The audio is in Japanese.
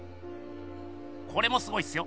これもすごいっすよ！